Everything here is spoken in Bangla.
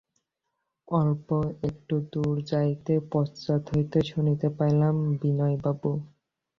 অল্প একটু দূর যাইতেই পশ্চাৎ হইতে শুনিতে পাইল, বিনয়বাবু।